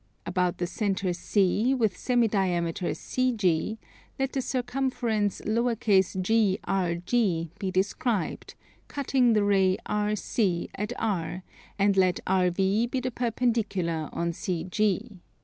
About the centre C, with semi diameter CG, let the circumference _g_RG be described, cutting the ray RC at R; and let RV be the perpendicular on CG.